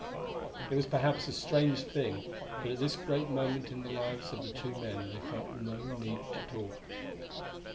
It was perhaps a strange thing; but at this great moment in the lives of the two men they felt no need to talk.